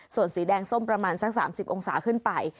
ส่วนสีแดงส้มประมาณสัก๓๐องศาขึ้นไป